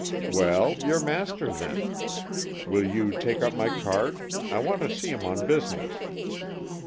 "Well, your master, then. Will you take up my card? I want to see him on business."